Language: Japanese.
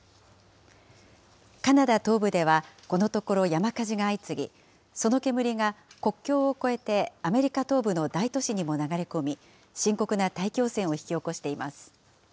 カナダ東部では、このところ山火事が相次ぎ、その煙が国境を越えてアメリカ東部の大都市にも流れ込み、深刻な大気汚染を引き起こしています。